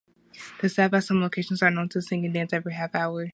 The staff at some locations are known to sing and dance every half-hour.